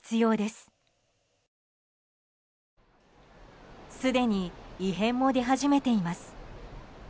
すでに異変も出始めています。